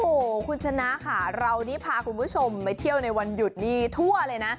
โอ้โหคุณชนะค่ะเรานี่พาคุณผู้ชมไปเที่ยวในวันหยุดนี้ทั่วเลยนะ